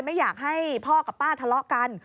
ไม่อยากให้พ่อกับป้าทะเลาะกัน